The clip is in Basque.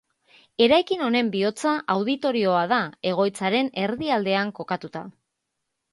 Eraikin honen bihotza Auditorioa da, egoitzaren erdialdean kokatuta.